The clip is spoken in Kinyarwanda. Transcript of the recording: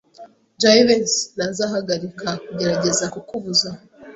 Jivency ntazahagarika kugerageza kukubuza.